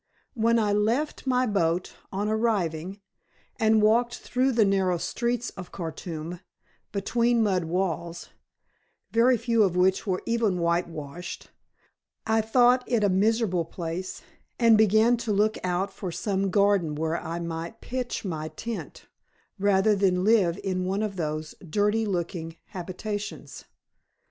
When I left my boat, on arriving, and walked through the narrow streets of Khartoum, between mud walls, very few of which were even whitewashed, I thought it a miserable place, and began to look out for some garden where I might pitch my tent, rather than live in one of those dirty looking habitations.